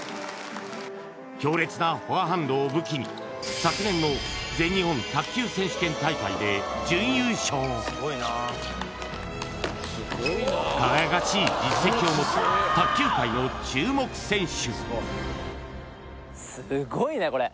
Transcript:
強烈なフォアハンドを武器に昨年の全日本卓球選手権大会で準優勝輝かしい実績を持つ卓球界の注目選手